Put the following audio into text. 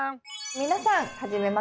皆さんはじめまして。